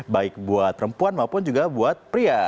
baik buat perempuan maupun juga buat pria